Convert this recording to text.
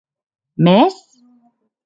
Mès!